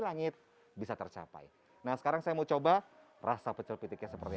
langit bisa tercapai nah sekarang saya mau coba rasa pecel pitiknya seperti